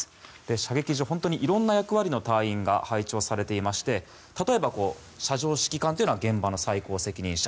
射撃場は、いろんな役割の隊員が配置されていまして例えば、射場指揮官は現場の最高責任者。